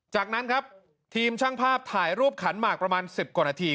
จากนั้นครับทีมช่างภาพถ่ายรูปขันหมากประมาณ๑๐กว่านาที